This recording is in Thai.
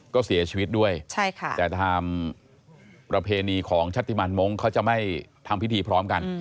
ก็เสียชีวิตด้วยแต่ทางประเพณีของชาติมันมงค์เขาจะไม่ทำพิธีพร้อมกัน